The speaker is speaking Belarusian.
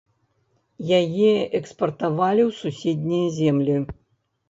Яе экспартавалі ў суседнія землі.